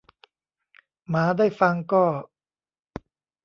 หมาได้ฟังก็